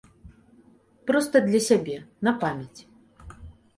Проста для сябе, на памяць.